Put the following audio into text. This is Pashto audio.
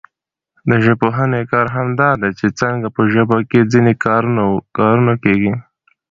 د ژبپوهني کار همدا دئ، چي څنګه په ژبه کښي ځیني کارونه کېږي.